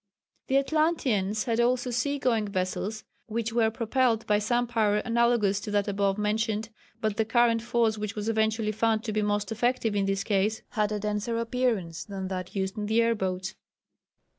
The Atlanteans had also sea going vessels which were propelled by some power analogous to that above mentioned, but the current force which was eventually found to be most effective in this case had a denser appearance than that used in the air boats.